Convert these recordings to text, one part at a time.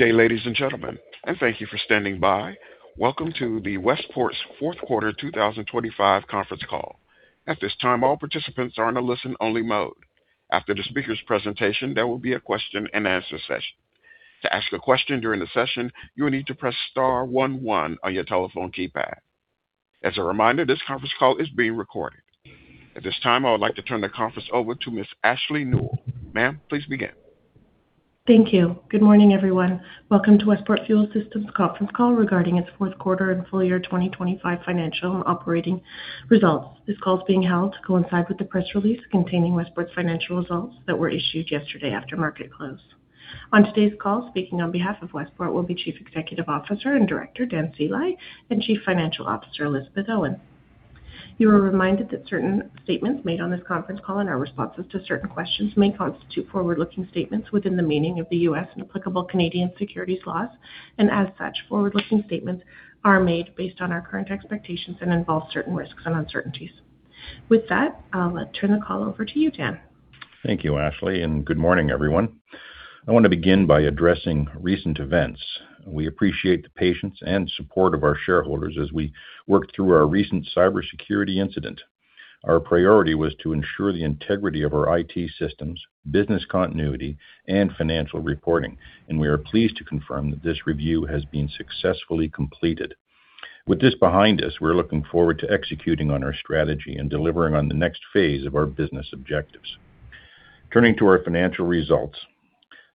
Good day, ladies and gentlemen, and thank you for standing by. Welcome to the Westport's Q4 2025 conference call. At this time, all participants are in a listen-only mode. After the speaker's presentation, there will be a question-and-answer session. To ask a question during the session, you will need to press star one, one on your telephone keypad. As a reminder, this conference call is being recorded. At this time, I would like to turn the conference over to Ms. Ashley Nuell. Ma'am, please begin. Thank you. Good morning, everyone. Welcome to Westport Fuel Systems conference call regarding its Q4 and full year 2025 financial and operating results. This call is being held to coincide with the press release containing Westport's financial results that were issued yesterday after market close. On today's call, speaking on behalf of Westport will be Chief Executive Officer and Director, Dan Sceli, and Chief Financial Officer, Elizabeth Owens. You are reminded that certain statements made on this conference call and our responses to certain questions may constitute forward-looking statements within the meaning of the U.S. and applicable Canadian securities laws. As such, forward-looking statements are made based on our current expectations and involve certain risks and uncertainties. With that, I'll turn the call over to you, Dan. Thank you, Ashley, and good morning, everyone. I want to begin by addressing recent events. We appreciate the patience and support of our shareholders as we worked through our recent cybersecurity incident. Our priority was to ensure the integrity of our IT systems, business continuity, and financial reporting, and we are pleased to confirm that this review has been successfully completed. With this behind us, we're looking forward to executing on our strategy and delivering on the next phase of our business objectives. Turning to our financial results,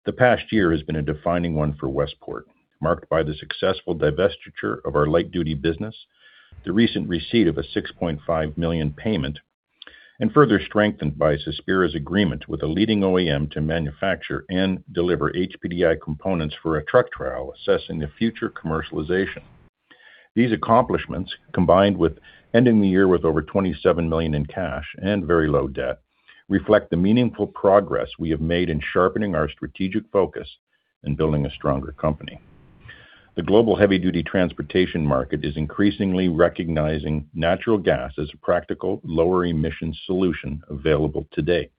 the past year has been a defining one for Westport, marked by the successful divestiture of our light-duty business, the recent receipt of a $6.5 million payment, and further strengthened by Suspowera's agreement with a leading OEM to manufacture and deliver HPDI components for a truck trial assessing the future commercialization. These accomplishments, combined with ending the year with over $27 million in cash and very low debt, reflect the meaningful progress we have made in sharpening our strategic focus and building a stronger company. The global heavy-duty transportation market is increasingly recognizing natural gas as a practical, lower emission solution available today.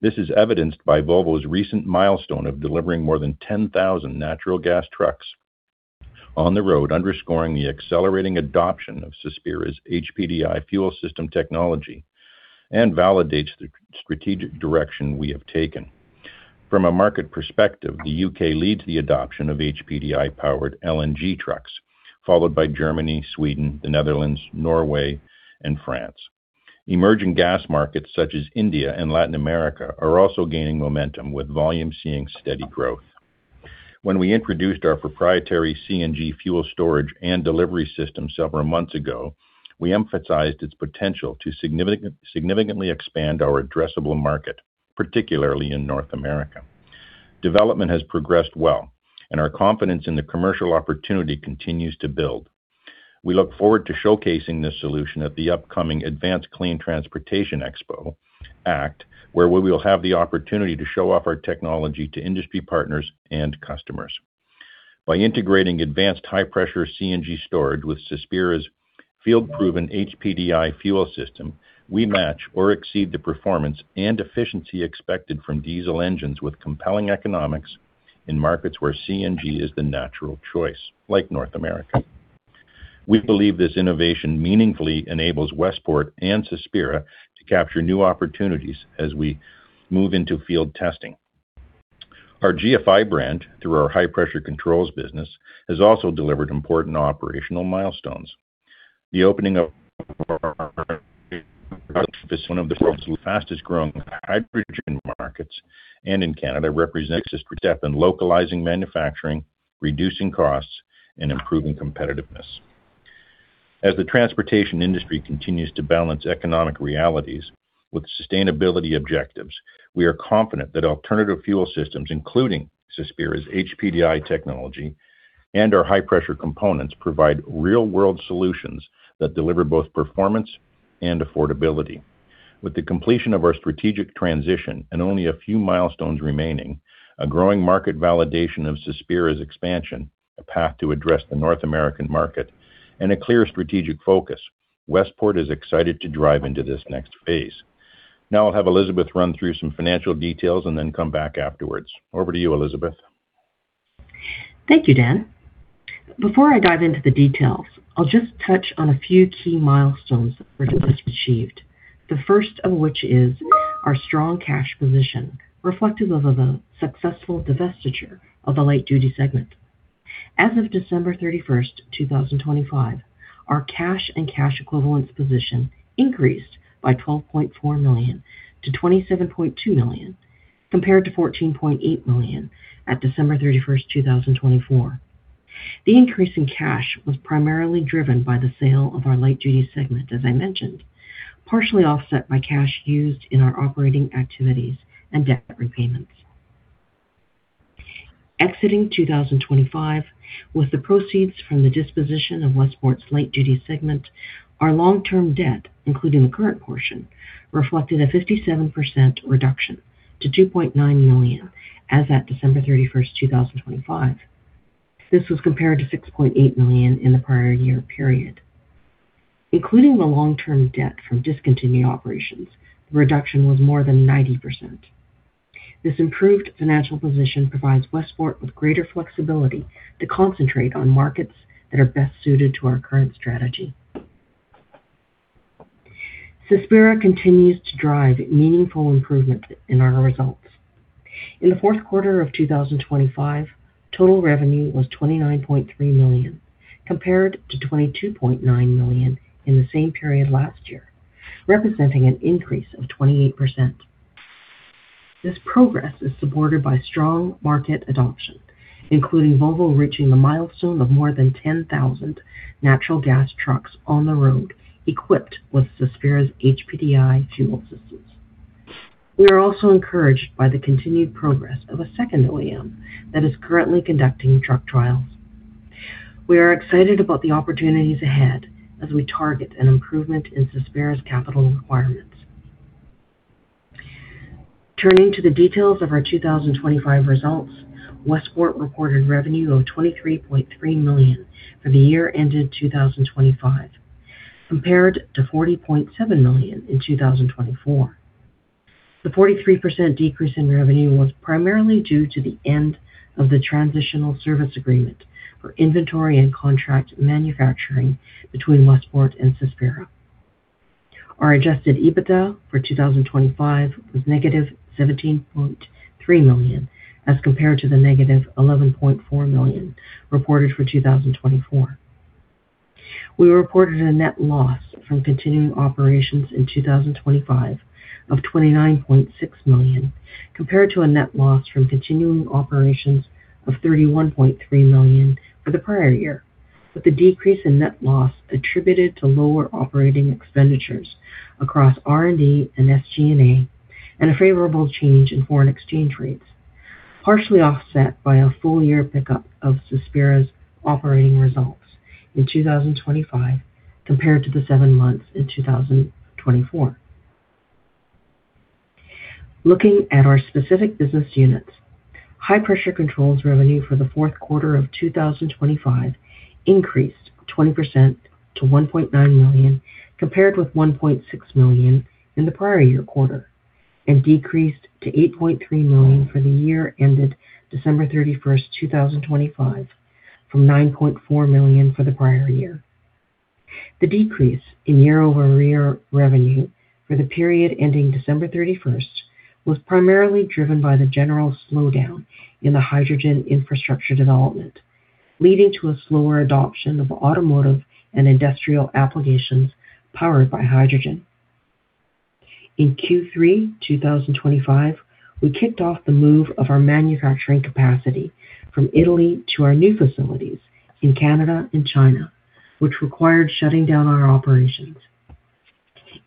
This is evidenced by Volvo's recent milestone of delivering more than 10,000 natural gas trucks on the road, underscoring the accelerating adoption of Westport's HPDI fuel system technology and validates the strategic direction we have taken. From a market perspective, the U.K. leads the adoption of HPDI-powered LNG trucks, followed by Germany, Sweden, the Netherlands, Norway, and France. Emerging gas markets such as India and Latin America are also gaining momentum, with volume seeing steady growth. When we introduced our proprietary CNG fuel storage and delivery system several months ago, we emphasized its potential to significantly expand our addressable market, particularly in North America. Development has progressed well, and our confidence in the commercial opportunity continues to build. We look forward to showcasing this solution at the upcoming Advanced Clean Transportation Expo, ACT, where we will have the opportunity to show off our technology to industry partners and customers. By integrating advanced high-pressure CNG storage with Suspowera's field-proven HPDI fuel system, we match or exceed the performance and efficiency expected from diesel engines with compelling economics in markets where CNG is the natural choice, like North America. We believe this innovation meaningfully enables Westport and Suspowera to capture new opportunities as we move into field testing. Our GFI brand, through our high-pressure controls business, has also delivered important operational milestones. The opening of our facility is one of the world's fastest-growing hydrogen markets and in Canada represents a step in localizing manufacturing, reducing costs, and improving competitiveness. As the transportation industry continues to balance economic realities with sustainability objectives, we are confident that alternative fuel systems, including Suspowera's HPDI technology and our high-pressure components, provide real-world solutions that deliver both performance and affordability. With the completion of our strategic transition and only a few milestones remaining, a growing market validation of Suspowera's expansion, a path to address the North American market, and a clear strategic focus, Westport is excited to dive into this next phase. Now I'll have Elizabeth run through some financial details and then come back afterwards. Over to you, Elizabeth. Thank you, Dan. Before I dive into the details, I'll just touch on a few key milestones that were just achieved, the first of which is our strong cash position, reflective of a successful divestiture of the light-duty segment. As of December 31st, 2025, our cash and cash equivalents position increased by $12.4 to $27.2 million, compared to $14.8 million on December 31st, 2024. The increase in cash was primarily driven by the sale of our light-duty segment, as I mentioned, partially offset by cash used in our operating activities and debt repayments. Exiting 2025, with the proceeds from the disposition of Westport's light-duty segment, our long-term debt, including the current portion, reflected a 57% reduction to $2.9 million as of December 31st, 2025. This was compared to $6.8 million in the prior year period. Including the long-term debt from discontinued operations, the reduction was more than 90%. This improved financial position provides Westport with greater flexibility to concentrate on markets that are best suited to our current strategy. Suspowera continues to drive meaningful improvements in our results. In the Q4 of 2025, total revenue was $29.3 million, compared to $22.9 million in the same period last year, representing an increase of 28%. This progress is supported by strong market adoption, including Volvo reaching the milestone of more than 10,000 natural gas trucks on the road equipped with Suspowera's HPDI fuel systems. We are also encouraged by the continued progress of a second OEM that is currently conducting truck trials. We are excited about the opportunities ahead as we target an improvement in Suspowera's capital requirements. Turning to the details of our 2025 results, Westport reported revenue of $23.3 million for the year ended 2025, compared to $40.7 million in 2024. The 43% decrease in revenue was primarily due to the end of the transitional service agreement for inventory and contract manufacturing between Westport and Suspowera. Our adjusted EBITDA for 2025 was -$17.3 million as compared to the -$11.4 million reported for 2024. We reported a net loss from continuing operations in 2025 of $29.6 million, compared to a net loss from continuing operations of $31.3 million for the prior year, with the decrease in net loss attributed to lower operating expenditures across R&D and SG&A and a favorable change in foreign exchange rates, partially offset by a full-year pickup of Suspowera's operating results in 2025 compared to the seven months in 2024. Looking at our specific business units, high-pressure controls revenue for the Q4 of 2025 increased 20% to $1.9 million, compared with $1.6 million in the prior year quarter, and decreased to $8.3 million for the year ended December 31st, 2025, from $9.4 million for the prior year. The decrease in year-over-year revenue for the period ending December 31st was primarily driven by the general slowdown in the hydrogen infrastructure development, leading to a slower adoption of automotive and industrial applications powered by hydrogen. In Q3 2025, we kicked off the move of our manufacturing capacity from Italy to our new facilities in Canada and China, which required shutting down our operations.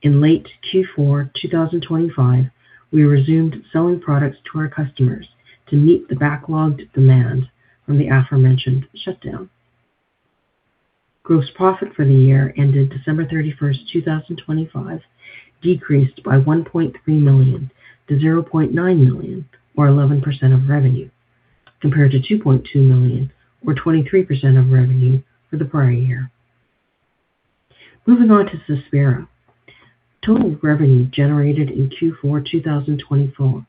In late Q4 2025, we resumed selling products to our customers to meet the backlogged demand from the aforementioned shutdown. Gross profit for the year ended December 31st, 2025, decreased by $1.3 to $0.9 million, or 11% of revenue, compared to $2.2 million or 23% of revenue for the prior year. Moving on to Suspowera. Total revenue generated in Q4 2025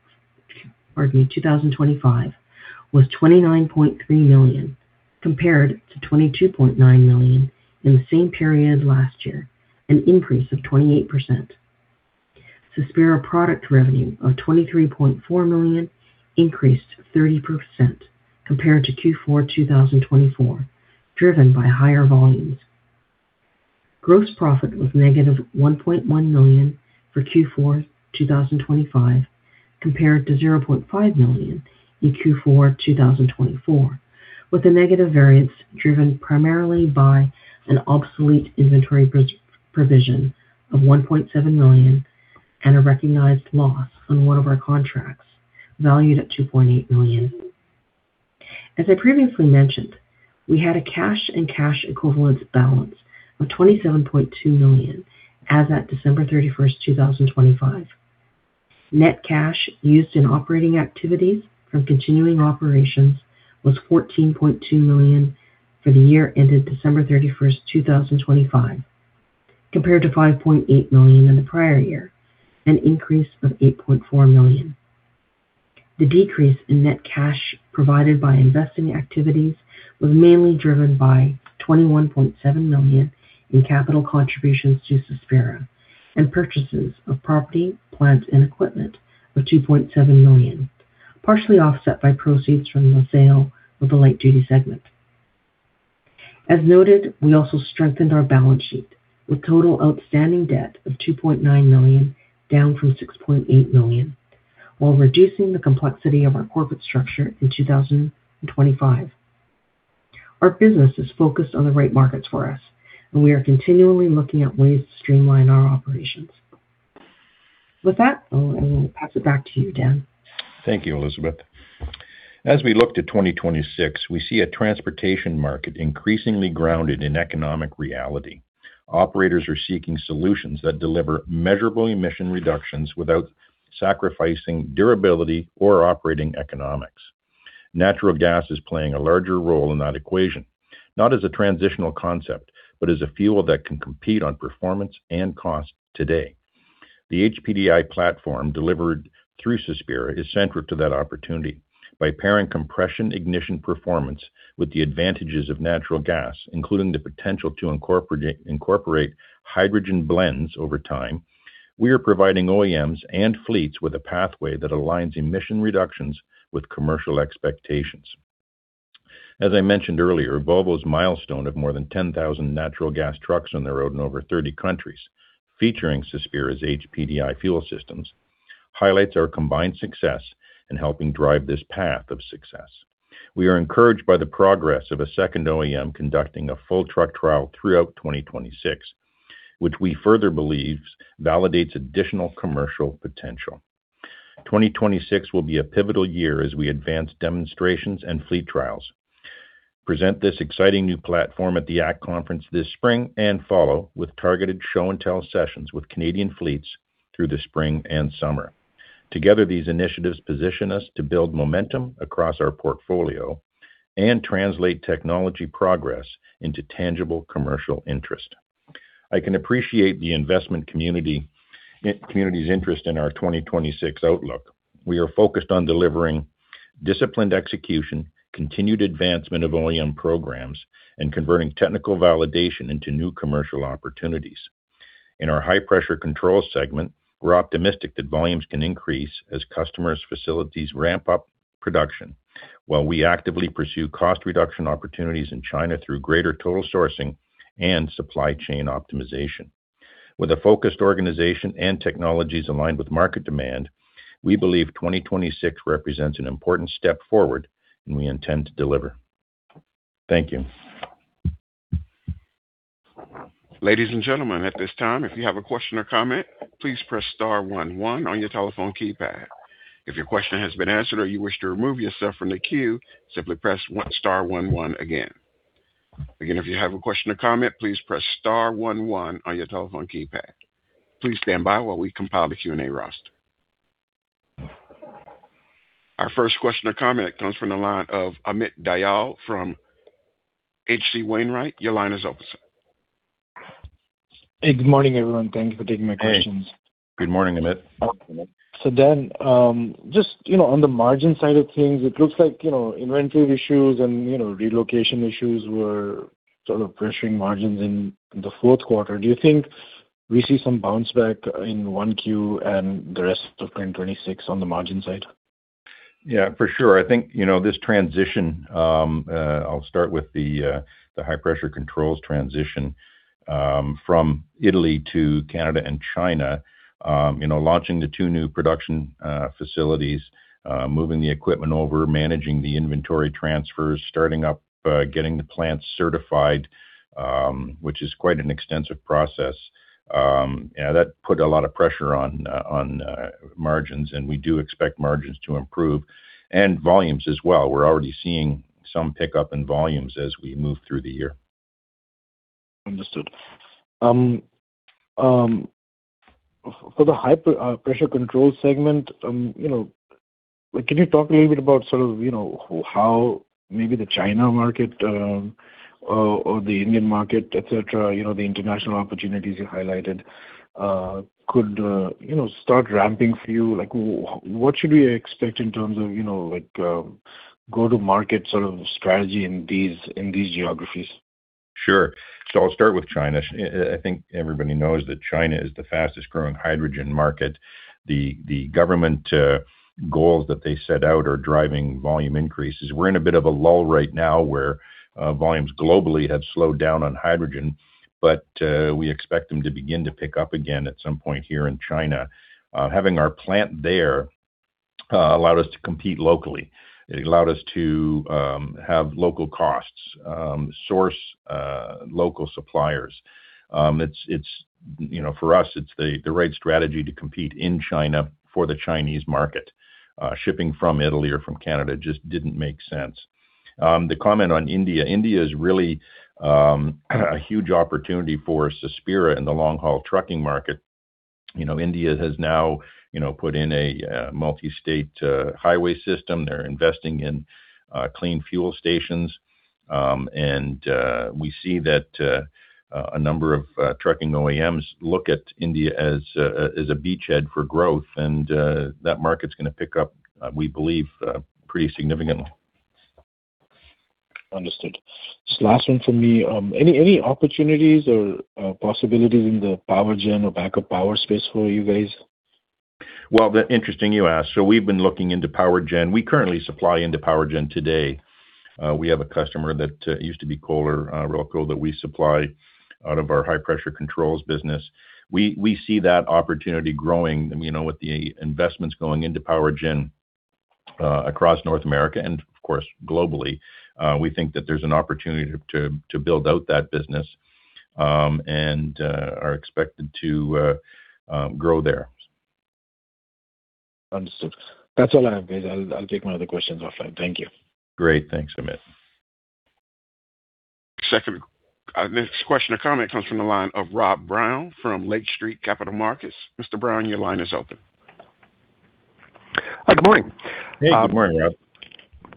was $29.3 million, compared to $22.9 million in the same period last year, an increase of 28%. Suspowera product revenue of $23.4 million increased 30% compared to Q4 2024, driven by higher volumes. Gross profit was -$1.1 million for Q4 2025, compared to $0.5 million in Q4 2024, with the negative variance driven primarily by an obsolete inventory provision of $1.7 million and a recognized loss on one of our contracts valued at $2.8 million. As I previously mentioned, we had a cash and cash equivalents balance of $27.2 million as of December 31st, 2025. Net cash used in operating activities from continuing operations was $14.2 million for the year ended December 31st, 2025, compared to $5.8 million in the prior year, an increase of $8.4 million. The decrease in net cash provided by investing activities was mainly driven by $21.7 million in capital contributions to Suspowera and purchases of property, plant, and equipment of $2.7 million, partially offset by proceeds from the sale of the light-duty segment. As noted, we also strengthened our balance sheet with total outstanding debt of $2.9 million, down from $6.8 million, while reducing the complexity of our corporate structure in 2025. Our business is focused on the right markets for us, and we are continually looking at ways to streamline our operations. With that, I will pass it back to you, Dan. Thank you, Elizabeth. As we look to 2026, we see a transportation market increasingly grounded in economic reality. Operators are seeking solutions that deliver measurable emission reductions without sacrificing durability or operating economics. Natural gas is playing a larger role in that equation, not as a transitional concept, but as a fuel that can compete on performance and cost today. The HPDI platform delivered through Suspowera is central to that opportunity by pairing compression ignition performance with the advantages of natural gas, including the potential to incorporate hydrogen blends over time. We are providing OEMs and fleets with a pathway that aligns emission reductions with commercial expectations. As I mentioned earlier, Volvo's milestone of more than 10,000 natural gas trucks on the road in over 30 countries, featuring Suspowera's HPDI fuel systems, highlights our combined success in helping drive this path of success. We are encouraged by the progress of a second OEM conducting a full truck trial throughout 2026, which we further believe validates additional commercial potential. 2026 will be a pivotal year as we advance demonstrations and fleet trials, present this exciting new platform at the ACT conference this spring, and follow with targeted show-and-tell sessions with Canadian fleets through the spring and summer. Together, these initiatives position us to build momentum across our portfolio and translate technology progress into tangible commercial interest. I can appreciate the investment community's interest in our 2026 outlook. We are focused on delivering disciplined execution, continued advancement of OEM programs, and converting technical validation into new commercial opportunities. In our high-pressure controls segment, we're optimistic that volumes can increase as customers' facilities ramp up production, while we actively pursue cost reduction opportunities in China through greater total sourcing and supply chain optimization. With a focused organization and technologies aligned with market demand, we believe 2026 represents an important step forward, and we intend to deliver. Thank you. Ladies and gentlemen, at this time, if you have a question or comment, please press star one, one on your telephone keypad. If your question has been answered or you wish to remove yourself from the queue, simply press star one, one again. Again, if you have a question or comment, please press star one, one on your telephone keypad. Please stand by while we compile the Q&A roster. Our first question or comment comes from the line of Amit Dayal from H.C. Wainwright. Your line is open, sir. Hey, good morning, everyone. Thank you for taking my questions. Hey. Good morning, Amit. Just on the margin side of things, it looks like inventory issues and relocation issues were sort of pressuring margins in the Q4. Do you think we see some bounce back in 1Q and the rest of 2026 on the margin side? Yeah, for sure. I think this transition; I'll start with the high-pressure controls transition from Italy to Canada and China. Launching the two new production facilities, moving the equipment over, managing the inventory transfers, starting up getting the plants certified, which is quite an extensive process. Yeah, that put a lot of pressure on margins, and we do expect margins to improve and volumes as well. We're already seeing some pickup in volumes as we move through the year. Understood. For the high-pressure controls segment, can you talk a little bit about how maybe the China market or the Indian market, et cetera, the international opportunities you highlighted could start ramping for you? What should we expect in terms of go-to-market sort of strategy in these geographies? Sure. I'll start with China. I think everybody knows that China is the fastest growing hydrogen market. The government goals that they set out are driving volume increases. We're in a bit of a lull right now where volumes globally have slowed down on hydrogen, but we expect them to begin to pick up again at some point here in China. Having our plant there allowed us to compete locally. It allowed us to have local costs, source local suppliers. For us, it's the right strategy to compete in China for the Chinese market. Shipping from Italy or from Canada just didn't make sense. The comment on India is really a huge opportunity for Suspowera in the long-haul trucking market. India has now put in a multi-state highway system. They're investing in clean fuel stations. We see that a number of trucking OEMs look at India as a beachhead for growth, and that market's going to pick up, we believe, pretty significantly. Understood. Just last one from me. Any opportunities or possibilities in the power gen or backup power space for you guys? Well, interesting you ask. We've been looking into power gen. We currently supply into power gen today. We have a customer that used to be Kohler, Roco, that we supply out of our high-pressure controls business. We see that opportunity growing with the investments going into power gen across North America and of course, globally. We think that there's an opportunity to build out that business and are expected to grow there. Understood. That's all I have, guys. I'll take my other questions offline. Thank you. Great. Thanks, Amit. Second, this question or comment comes from the line of Rob Brown from Lake Street Capital Markets. Mr. Brown, your line is open. Hi, good morning. Hey, good morning, Rob.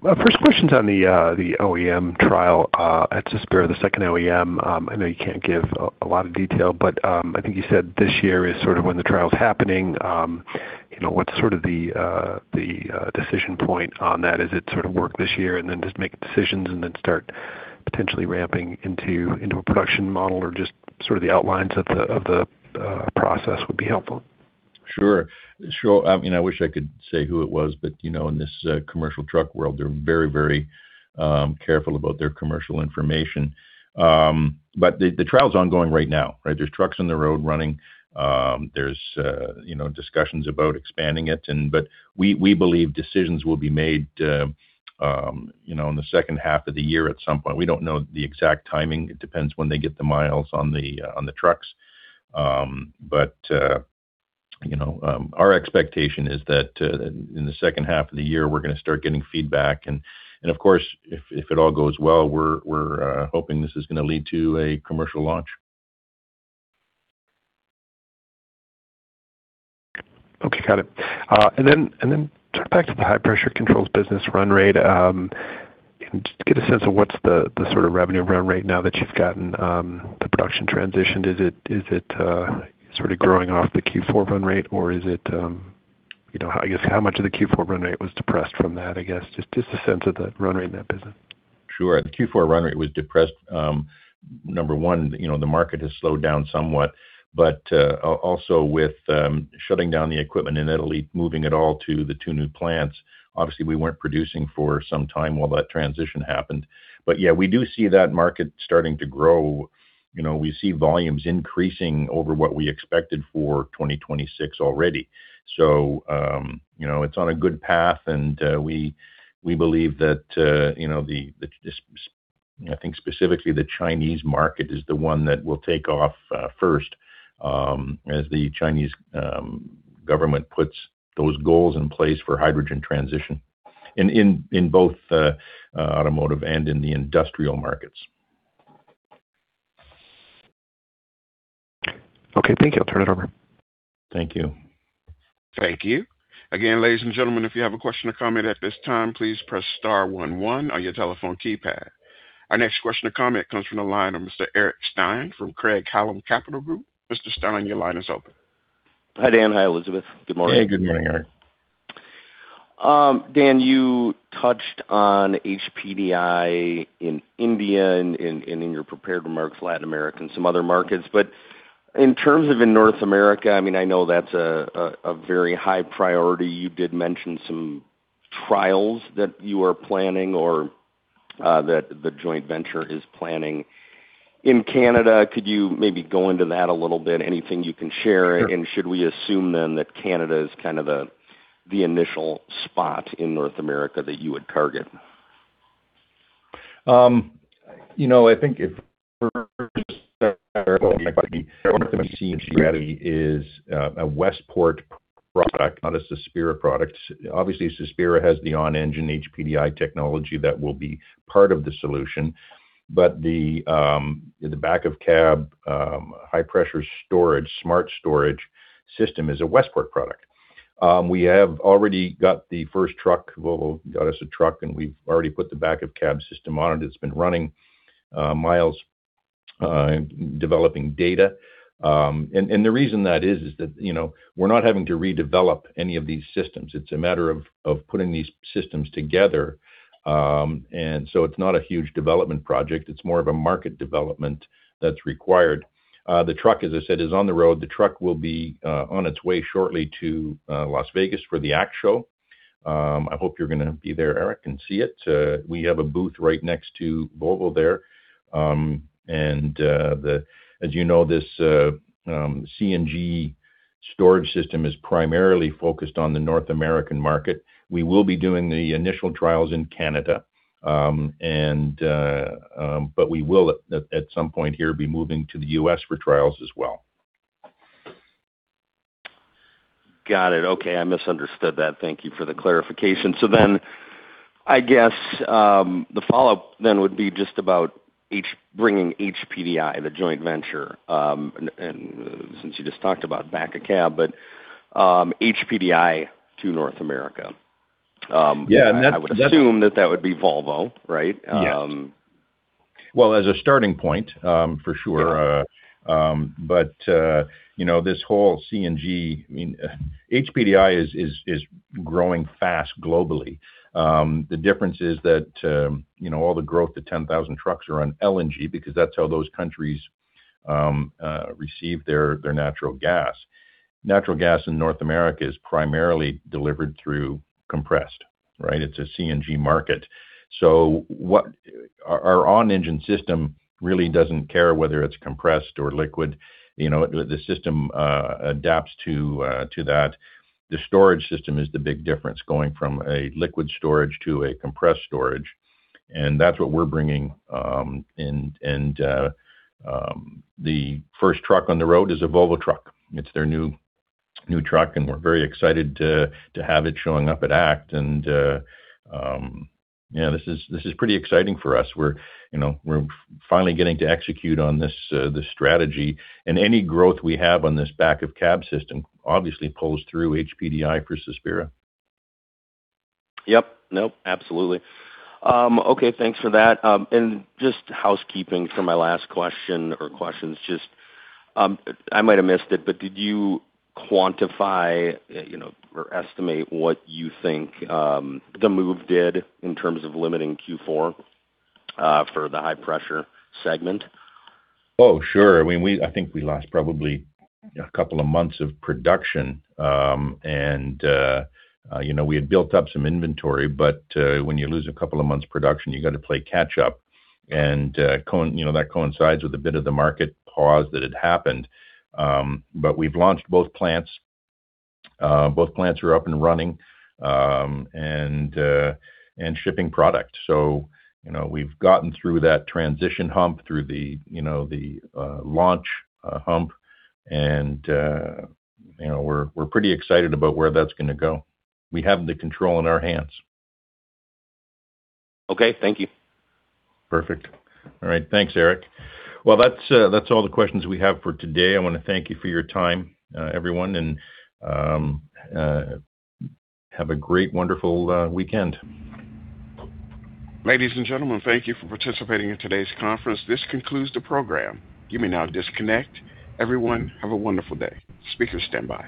First question is on the OEM trial at Cespira, the second OEM. I know you can't give a lot of detail, but I think you said this year is sort of when the trial's happening. What's sort of the decision point on that? Is it sort of work this year and then just make decisions and then start potentially ramping into a production model or just sort of the outlines of the process would be helpful. Sure. I wish I could say who it was, but in this commercial truck world, they're very careful about their commercial information. The trial's ongoing right now, right? There are trucks on the road running. There are discussions about expanding it, but we believe decisions will be made in the H2 of the year at some point. We don't know the exact timing. It depends when they get the miles on the trucks. Our expectation is that in the H2 of the year, we're going to start getting feedback. Of course, if it all goes well, we're hoping this is going to lead to a commercial launch. Okay. Got it. Turning back to the high-pressure controls business run rate, get a sense of what's the sort of revenue run rate now that you've gotten the production transitioned. Is it sort of growing off the Q4 run rate? Or I guess, how much of the Q4 run rate was depressed from that, I guess? Just a sense of the run rate in that business. Sure. The Q4 run rate was depressed. Number one, the market has slowed down somewhat, but also with shutting down the equipment in Italy, moving it all to the two new plants. Obviously, we weren't producing for some time while that transition happened. Yeah, we do see that market starting to grow. We see volumes increasing over what we expected for 2026 already. It's on a good path, and we believe that, I think specifically the Chinese market is the one that will take off first as the Chinese government puts those goals in place for hydrogen transition in both the automotive and in the industrial markets. Okay, thank you. I'll turn it over. Thank you. Thank you. Again, ladies and gentlemen, if you have a question or comment at this time, please press star one, one on your telephone keypad. Our next question or comment comes from the line of Mr. Eric Stine from Craig-Hallum Capital Group. Mr. Stine, your line is open. Hi, Dan. Hi, Elizabeth. Good morning. Hey, good morning, Eric. Dan, you touched on HPDI in India and in your prepared remarks, Latin America, and some other markets. In terms of in North America, I know that's a very high priority. You did mention some trials that you are planning or that the joint venture is planning in Canada. Could you maybe go into that a little bit? Anything you can share- Sure. Should we assume then that Canada is kind of the initial spot in North America that you would target? I think it is a Westport product, not a Cespira product. Obviously Cespira has the on-engine HPDI technology that will be part of the solution, but the back-of-cab high-pressure storage, smart storage system is a Westport product. We have already got the first truck. Volvo got us a truck, and we've already put the back-of-cab system on it. It's been running miles developing data. The reason that is that we're not having to redevelop any of these systems. It's a matter of putting these systems together. It's not a huge development project. It's more of a market development that's required. The truck, as I said, is on the road. The truck will be on its way shortly to Las Vegas for the ACT show. I hope you're gonna be there, Eric, and see it. We have a booth right next to Volvo there. As you know, this CNG storage system is primarily focused on the North American market. We will be doing the initial trials in Canada. We will, at some point here, be moving to the U.S. for trials as well. Got it. Okay. I misunderstood that. Thank you for the clarification. I guess the follow-up then would be just about bringing HPDI, the joint venture, and since you just talked about back-of-cab, but HPDI to North America. Yeah. I would assume that that would be Volvo, right? Yes. Well, as a starting point, for sure. Yeah. this whole CNG, I mean, HPDI is growing fast globally. The difference is that all the growth to 10,000 trucks are on LNG because that's how those countries receive their natural gas. Natural gas in North America is primarily delivered through compressed, right? It's a CNG market. Our on-engine system really doesn't care whether it's compressed or liquid. The system adapts to that. The storage system is the big difference, going from a liquid storage to a compressed storage, and that's what we're bringing in, and the first truck on the road is a Volvo truck. It's their new truck, and we're very excited to have it showing up at ACT. Yeah, this is pretty exciting for us. We're finally getting to execute on this strategy, and any growth we have on this back-of-cab system obviously pulls through HPDI for Suspowera. Yep. Nope. Absolutely. Okay, thanks for that. Just housekeeping for my last question or questions. Just, I might have missed it, but did you quantify or estimate what you think the move did in terms of limiting Q4 for the high-pressure segment? Oh, sure. I think we lost probably a couple of months of production. We had built up some inventory, but when you lose a couple of months production, you got to play catch up. That coincides with a bit of the market pause that had happened. We've launched both plants. Both plants are up and running and shipping product. We've gotten through that transition hump, through the launch hump, and we're pretty excited about where that's gonna go. We have the control in our hands. Okay. Thank you. Perfect. All right. Thanks, Eric. Well, that's all the questions we have for today. I want to thank you for your time, everyone, and have a great, wonderful weekend. Ladies and gentlemen, thank you for participating in today's conference. This concludes the program. You may now disconnect. Everyone, have a wonderful day. Speakers stand by.